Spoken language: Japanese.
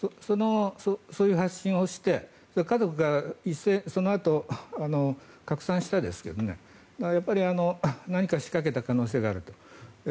そういう発信をして家族がそのあと拡散したんですがやっぱり何か仕掛けた可能性があると。